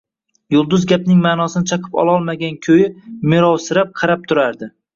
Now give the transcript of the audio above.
Yulduz gapning ma`nosini chaqib ololmagan ko`yi merovsirab qarab turardi